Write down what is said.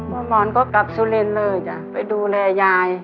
พ้ามอนก็กลับสุเรนเลยจ้ะไปดูแลยาย